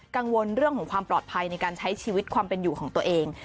กังวลเรื่องของความปลอดภัยในการใช้ชีวิตความเป็นอยู่ของตัวเอง